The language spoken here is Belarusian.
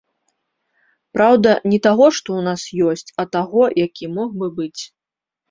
Праўда, не таго, што ў нас ёсць, а таго, які мог бы быць.